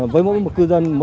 với mỗi một cư dân